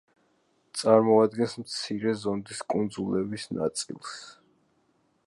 წარმოადგენს მცირე ზონდის კუნძულების ნაწილს.